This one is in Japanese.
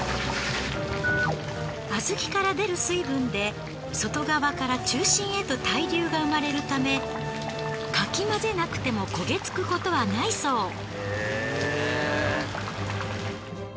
小豆から出る水分で外側から中心へと対流がうまれるためかき混ぜなくても焦げつくことはないそう。